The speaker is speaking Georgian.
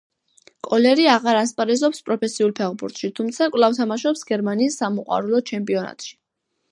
კოლერი აღარ ასპარეზობს პროფესიულ ფეხბურთში, თუმცა კვლავ თამაშობს გერმანიის სამოყვარულო ჩემპიონატში.